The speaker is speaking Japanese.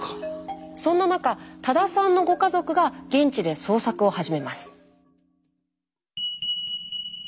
そんな中多田さんのご家族が現地で捜索を始めます。